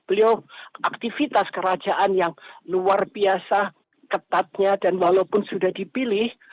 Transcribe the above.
beliau aktivitas kerajaan yang luar biasa ketatnya dan walaupun sudah dipilih